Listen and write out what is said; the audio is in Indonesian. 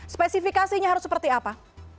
spesifikasinya harus seperti apa